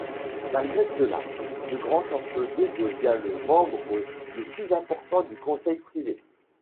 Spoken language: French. Malgré cela, le Grand chancelier devient le membre le plus important du Conseil privé.